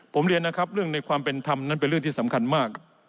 ผมเรียนนะครับเรื่องในความเป็นธรรมนั้นเป็นเรื่องที่สำคัญมาก